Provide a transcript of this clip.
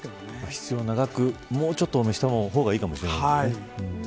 必要な額、もうちょっと下ろした方がいいかもしれませんね。